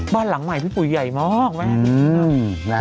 บ้านหลังใหม่พี่ปุ๋ยใหญ่มากแม่